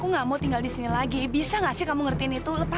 sampai jumpa di video selanjutnya